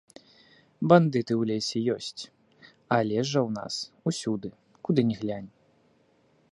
Бандыты ў лесе ёсць, а лес жа ў нас усюды, куды ні глянь.